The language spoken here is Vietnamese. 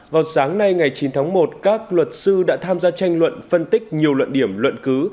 vào sáng nay ngày chín tháng một các luật sư đã tham gia tranh luận phân tích nhiều luận điểm luận cứ